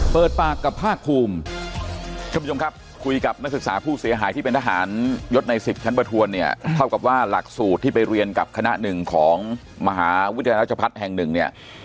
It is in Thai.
เปิดปากกับภาคภูมิท่านผู้ชมครับคุยกับนักศึกษาผู้เสียหายที่เป็นทหารยศในสิบชั้นประทวนเนี่ยเท่ากับว่าหลักสูตรที่ไปเรียนกับคณะหนึ่งของมหาวิทยาลัยราชพัฒน์แห่งหนึ่งเนี่ย